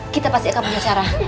kamu harus tenang clara